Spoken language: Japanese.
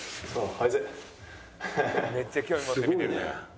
めっちゃ興味持って見てるね。